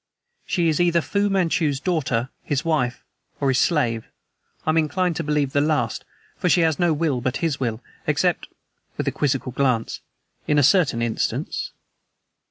"She is either Fu Manchu's daughter, his wife, or his slave. I am inclined to believe the last, for she has no will but his will, except" with a quizzical glance "in a certain instance."